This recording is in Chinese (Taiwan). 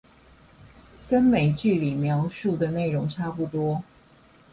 跟美劇裡描述的內容差不多